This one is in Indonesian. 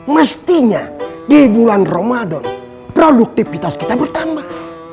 mestinya di bulan ramadan produktivitas kita bertambah